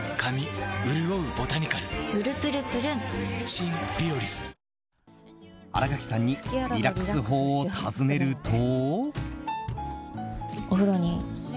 新垣さんにリラックス法を尋ねると。